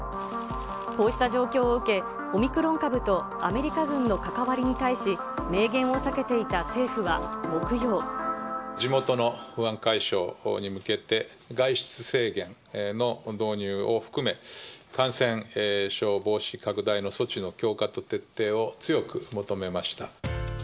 こうした状況を受け、オミクロン株とアメリカ軍の関わりに対し、地元の不安解消に向けて、外出制限の導入を含め、感染症防止拡大の措置の強化と徹底を強く求めました。